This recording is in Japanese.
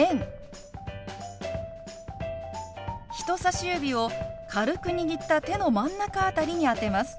人さし指を軽く握った手の真ん中辺りに当てます。